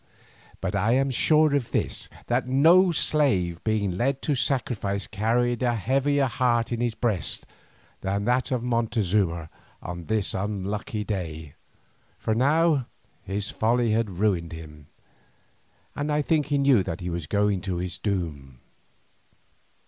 But I am sure of this, that no slave being led to sacrifice carried a heavier heart in his breast than that of Montezuma on this unlucky day. For now his folly had ruined him, and I think he knew that he was going to his doom.